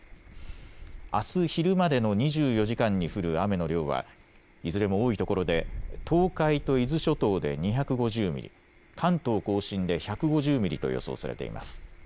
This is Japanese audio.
あす昼までの２４時間に降る雨の量はいずれも多いところで東海と伊豆諸島で２５０ミリ、関東甲信で１５０ミリと予想されています。